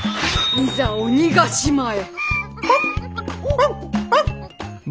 いざ鬼ヶ島へ。